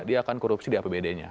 dia akan korupsi di apbd nya